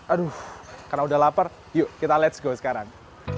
aduh karena udah lapar yuk kita let s go sekarang